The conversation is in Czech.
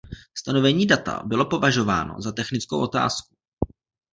Stanovení data bylo považováno za technickou otázku.